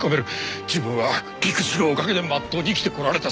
自分は陸自のおかげでまっとうに生きてこられた。